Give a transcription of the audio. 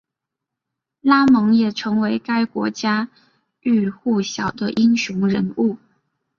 拉蒙也成为该国家喻户晓的英雄人物。